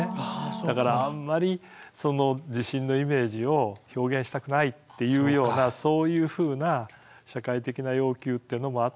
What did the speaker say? だからあんまりその地震のイメージを表現したくないっていうようなそういうふうな社会的な要求っていうのもあったのかなっていうふうに思う。